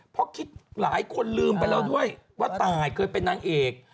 เพราะคิดหลายคนลืมไปแล้วด้วยว่าตายเคยเป็นนางเอก